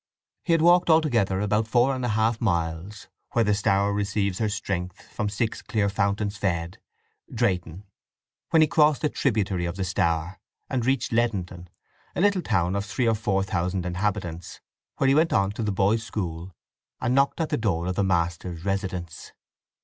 He had walked altogether about four and a half miles Where Stour receives her strength, From six cleere fountains fed, Drayton. when he crossed a tributary of the Stour, and reached Leddenton—a little town of three or four thousand inhabitants—where he went on to the boys' school, and knocked at the door of the master's residence.